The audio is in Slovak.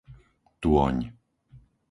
Tôň